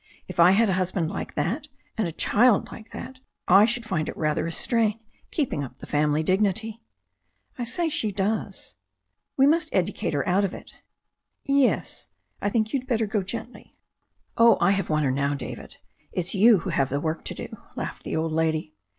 If I had a husband like that and a child like that I should find it rather a strain keeping up the family dignity." "I should say she does." "We must educate her out of it" "Yes ? I think ypu'd better go gently." "Oh, I have won her now, David. It's you who have the work to do," laughed the old lady.